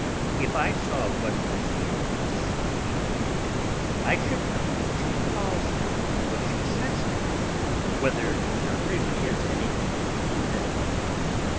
"If I saw what was in this," he argued, "I should know what she calls him, what she says to him, whether there really is anything between them.